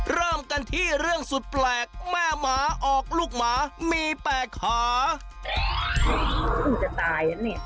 เริ่มกันที่เรื่องสุดแปลกแม่หมาออกลูกหมามีแปดขา